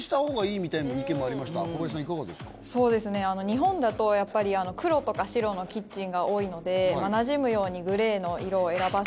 日本だとやっぱり黒とか白のキッチンが多いのでなじむようにグレーの色を選ばせてもらって。